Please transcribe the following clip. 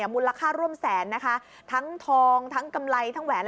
มูลค่าร่วมแสนนะคะทั้งทองทั้งกำไรทั้งแหวน